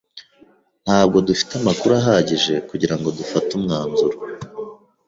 Ntabwo dufite amakuru ahagije kugirango dufate umwanzuro.